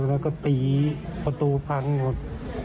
แล้วก็ตีประตูพังหมด